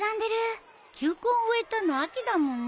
球根植えたの秋だもんね。